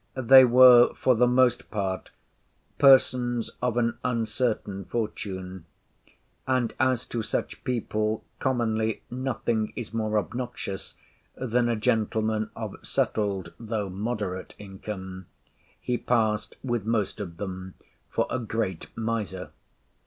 They were, for the most part, persons of an uncertain fortune; and, as to such people commonly nothing is more obnoxious than a gentleman of settled (though moderate) income, he passed with most of them for a great miser.